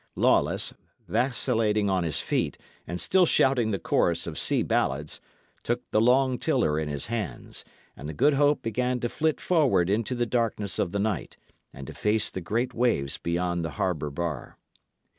Lawless, vacillating on his feet, and still shouting the chorus of sea ballads, took the long tiller in his hands: and the Good Hope began to flit forward into the darkness of the night, and to face the great waves beyond the harbour bar.